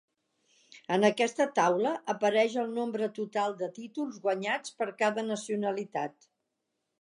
En aquesta taula apareix el nombre total de títols guanyats per cada nacionalitat.